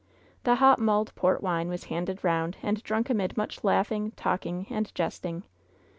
The hot mulled port wine was handed round and drunk amid much laughing, talking and jesting.